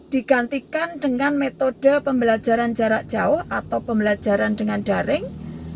digantikan dengan metode pembelajaran jarak jauh atau pembelajaran dengan daring